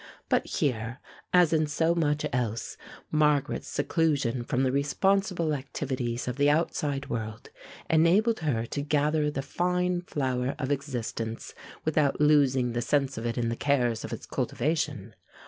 But here, as in so much else, Margaret's seclusion from the responsible activities of the outside world enabled her to gather the fine flower of existence without losing the sense of it in the cares of its cultivation.